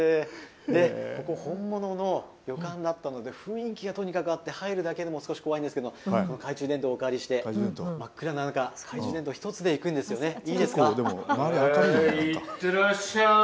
ここ本物の旅館だったので雰囲気があって入るだけでも怖いですが懐中電灯をお借りして真っ暗な中懐中電灯１つでいくんですよね、いいですか。